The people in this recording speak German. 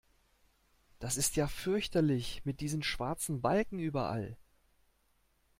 Das ist ja fürchterlich mit diesen schwarzen Balken überall!